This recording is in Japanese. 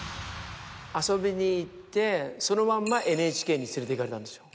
遊びに行ってそのまんまＮＨＫに連れていかれたんですよ。